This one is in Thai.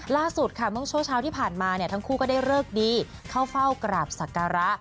ล่าสุดค่ะเมื่อช่วงเช้าที่ผ่านมาเนี่ยทั้งคู่ก็ได้เลิกดีเข้าเฝ้ากราบศักระ